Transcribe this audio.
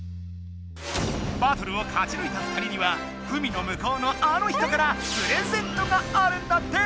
バトルを勝ちぬいた２人には海の向こうのあの人からプレゼントがあるんだって！